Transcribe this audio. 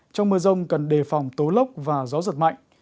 trong mưa rông cần đề phòng tố lốc và gió giật mạnh